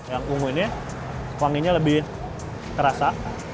yang ungu ini wanginya lebih terasa